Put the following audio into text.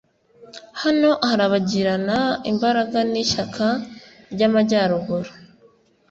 hano harabagirana imbaraga nishyaka ryamajyaruguru.